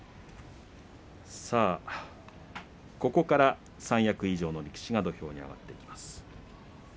さあここから三役以上の力士が土俵に上がっていきます。